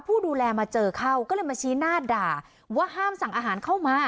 ผู้ดูแลมาเจอเข้าก็เลยมาชี้หน้าด่าว่าห้ามสั่งอาหารเข้ามา